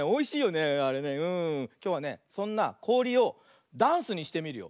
きょうはねそんなこおりをダンスにしてみるよ。